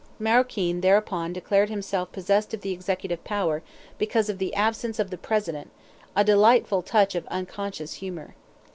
Maroquin thereupon declared himself possessed of the executive power because of "the absence of the President" a delightful touch of unconscious humor.